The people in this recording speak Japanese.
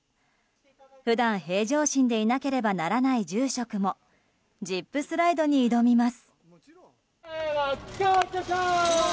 普段、平常心でいなければならない住職もジップスライドに挑みます。